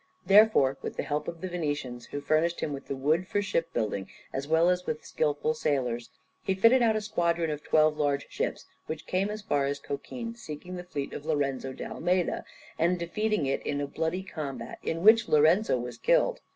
Therefore, with the help of the Venetians, who furnished him with the wood for ship building as well as with skilful sailors, he fitted out a squadron of twelve large ships, which came as far as Cochin, seeking the fleet of Lorenzo d'Almeida, and defeating it in a bloody combat in which Lorenzo was killed.